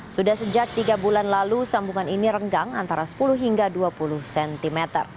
sudah sejak tiga bulan lalu sambungan ini renggang antara sepuluh hingga dua puluh cm